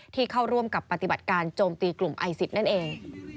ที่เข้าร่วมกับปฏิบัติการโจมตีกลุ่มไอซิสนั่นเอง